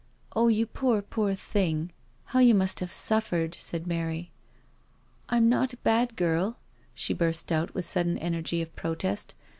" Oh, you poor, poor thing — how you must have suffered," said Mary. "I'm not a bad girl," she burst out with sudden energy of protest.